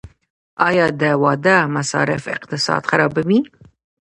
آیا د واده مصارف اقتصاد خرابوي؟